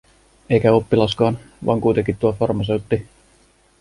Eikä oppilaskaan, vaan kuitenkin tuo farmaseutti.